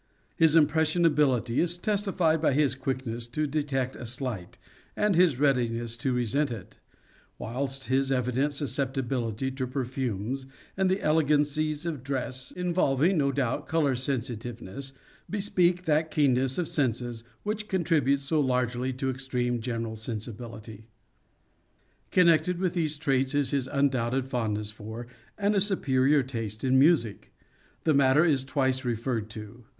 His impressionability is testified by his quickness to detect a slight and his readiness to resent it, whilst his evident susceptibility to perfumes and the elegancies M4 THE CONDITIONS FULFILLED 145 of dress, involving, no doubt, colour sensitiveness, bespeak that keenness of the senses which contributes so largely to extreme general sensibility. Connected with these traits is his undoubted fondness for, and a superior taste in music. The matter is twice referred to.